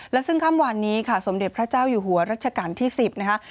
และซึ่งค่ำวันนี้ค่ะสมเด็จพระเจ้าอยู่หัวรัชกาลที่๑๐นะคะ